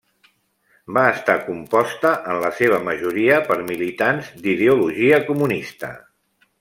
Va estar composta en la seva majoria per militants d'ideologia comunista.